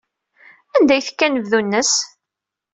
Anda ay tekka anebdu-nnes?